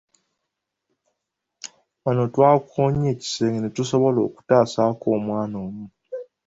Wano twakoonye ekisenge ne tusobola okutaasaako omwana omu.